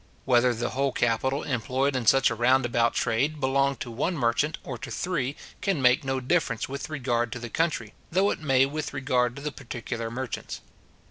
Whether the whole capital employed in such a round about trade belong to one merchant or to three, can make no difference with regard to the country, though it may with regard to the particular merchants.